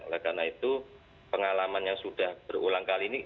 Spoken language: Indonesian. oleh karena itu pengalaman yang sudah berulang kali ini